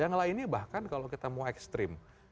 yang lainnya bahkan kalau kita mau ekstrim